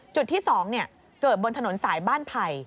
จุดที่๒เกิดบนถนนสายบ้านไผ่